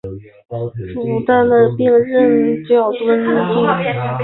事后因公担任金崎城主并就任敦贺郡司。